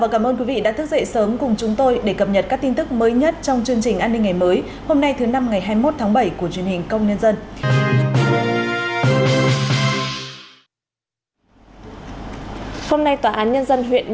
hãy đăng ký kênh để ủng hộ kênh của chúng mình nhé